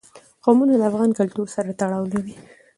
قومونه د افغان کلتور سره تړاو لري.